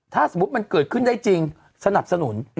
ถ้าสมมุติมันเกิดขึ้นได้จริงสนับสนุน